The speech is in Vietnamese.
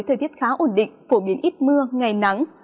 thời tiết khá ổn định phổ biến ít mưa ngày nắng